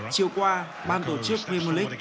chiều qua ban tổ chức mimolic